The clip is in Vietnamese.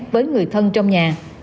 với người thân trong nhà